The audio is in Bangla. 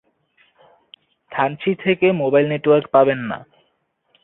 থানচি থেকে মোবাইল নেটওয়ার্ক পাবেন না।